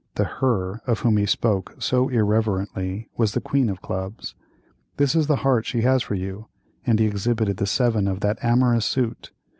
The "her" of whom he spoke so irreverently, was the queen of clubs. "This is the heart she has for you," and he exhibited the seven of that amorous suit.